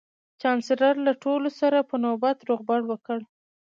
چانسلر له ټولو سره په نوبت روغبړ وکړ